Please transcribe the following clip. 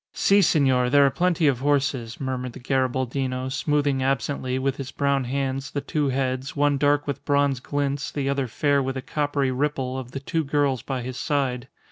"Si, senor. There are plenty of horses," murmured the Garibaldino, smoothing absently, with his brown hands, the two heads, one dark with bronze glints, the other fair with a coppery ripple, of the two girls by his side.